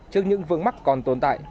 trước những vương mắc còn tồn tại